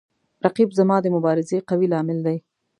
رقیب زما د مبارزې قوي لامل دی